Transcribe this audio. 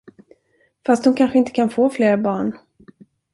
Fast hon kanske inte kan få flera barn.